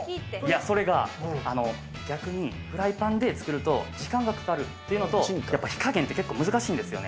それが、逆にフライパンで作ると時間がかかるっていうのと、やっぱ火加減で結構難しいんですよね。